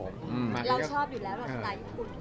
เราชอบอยู่แล้วสักตายญี่ปุ่น